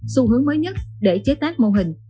xu hướng mới nhất để chế tác mô hình